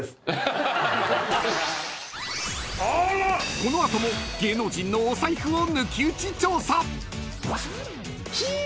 ［この後も芸能人のお財布を抜き打ち調査］